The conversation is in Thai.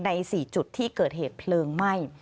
๔จุดที่เกิดเหตุเพลิงไหม้